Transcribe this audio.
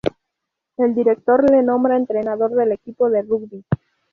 El director le nombra entrenador del equipo de rugby.